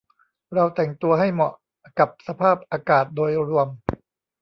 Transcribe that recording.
เราแต่งตัวให้เหมาะกับสภาพอากาศโดยรวม